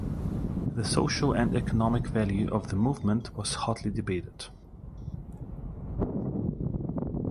The social and economic value of the movement was hotly debated.